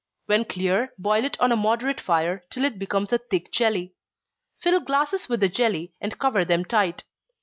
When clear, boil it on a moderate fire, till it becomes a thick jelly. Fill glasses with the jelly, and cover them tight.